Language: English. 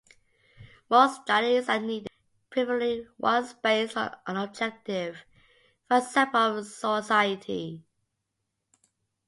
More studies are needed, preferably ones based on an objective, random sample of society.